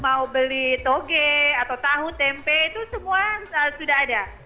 mau beli toge atau tahu tempe itu semua sudah ada